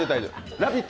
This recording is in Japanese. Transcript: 「ラヴィット！」